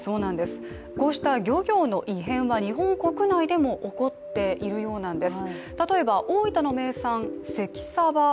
こうした漁業の異変は日本国内でも起こっているようなんです。